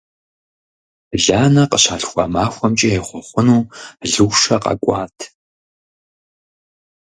Ланэ къыщалъхуа махуэмкӀэ ехъуэхъуну Лушэ къэкӀуат.